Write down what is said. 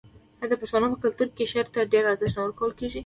آیا د پښتنو په کلتور کې شعر ته ډیر ارزښت نه ورکول کیږي؟